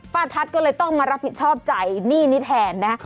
ทัศน์ก็เลยต้องมารับผิดชอบจ่ายหนี้นี้แทนนะ